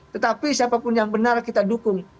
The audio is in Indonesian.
tetapi siapapun yang benar kita dukung